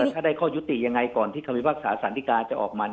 ถ้าได้ข้อยุติยังไงก่อนที่ความวิบัติศาสตร์สันติกาจะออกมา